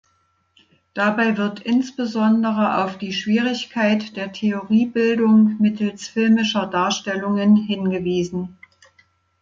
Dabei wird insbesondere auf die Schwierigkeit der Theoriebildung mittels filmischer Darstellungen hingewiesen.